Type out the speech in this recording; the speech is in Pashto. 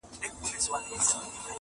نوي نسلونه پوښتني کوي ډېر,